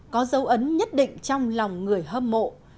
có dấu ấn nhất định trong lòng người hâm mộ